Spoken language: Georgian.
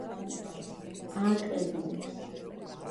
ააკლებინებს